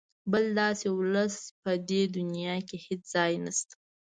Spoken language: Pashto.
بل داسې ولس په دې دونیا کې هېڅ ځای نشته.